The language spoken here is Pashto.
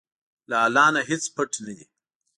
له الله نه هیڅ پټ نه دي.